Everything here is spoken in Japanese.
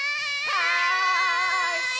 はい。